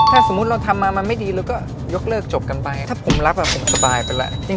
ถ้าสมมุติเราทำมามันไม่ดีเราก็ยกเลิกจบกันไปถ้าผมรักผมสบายไปแล้ว